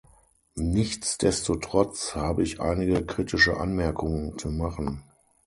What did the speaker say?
Nichtsdestotrotz habe ich einige kritische Anmerkungen zu machen.